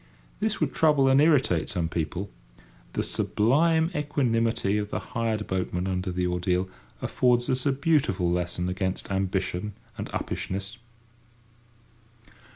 This would trouble and irritate some people; the sublime equanimity of the hired boatman under the ordeal affords us a beautiful lesson against ambition and uppishness.